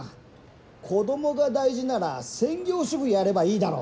子どもが大事なら専業主婦やればいいだろ。